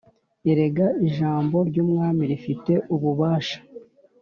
Erega ijambo ry umwami rifite ububasha